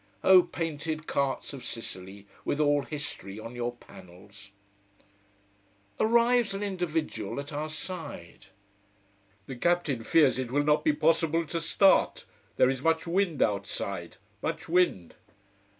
Oh painted carts of Sicily, with all history on your panels! Arrives an individual at our side. "The captain fears it will not be possible to start. There is much wind outside. Much wind!"